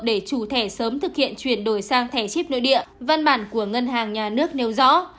để chủ thẻ sớm thực hiện chuyển đổi sang thẻ chip nội địa văn bản của ngân hàng nhà nước nêu rõ